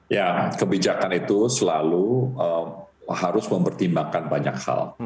ya kebijakan itu selalu harus mempertimbangkan banyak hal